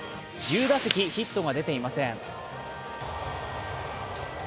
１０打席ヒットが出ていません。